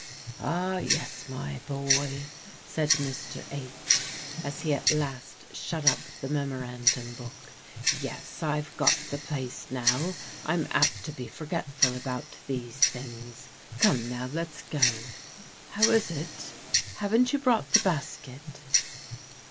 "Ah, yes, my boy," said Mr. H., as he at last shut up the memorandum book. "Yes, I've got the place now; I'm apt to be forgetful about these things; come, now, let's go. How is it? Haven't you brought the basket?"